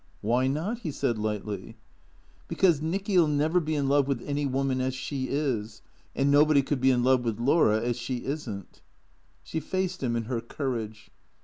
" Why not ?" he said lightly. " Because Nicky '11 never be in love with any woman as she is ; and nobody could be in love with Laura as she is n't." She faced him in her courage.